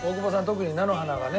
特に菜の花がね